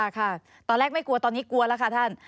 ค่ะตอนแรกไม่กลัวตอนนี้กลัวแล้วค่ะท่าน